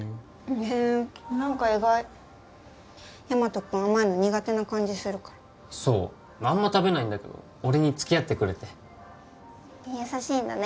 へえ何か意外ヤマト君甘いの苦手な感じするからそうあんま食べないんだけど俺に付き合ってくれて優しいんだね